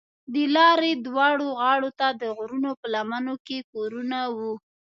د لارې دواړو غاړو ته د غرونو په لمنو کې کورونه وو.